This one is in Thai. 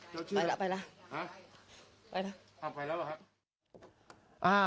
เจ้าชื่ออะไรไปแล้วไปแล้วครับไปแล้ว